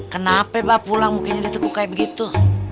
kenapa mbak pulang mungkin dia tuh kaya begitu